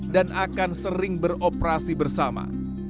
dan akan sering beroperasi bersama